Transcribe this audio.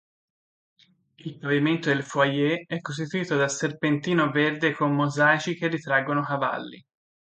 Il pavimento del foyer è costituito da serpentino verde con mosaici che ritraggono cavalli.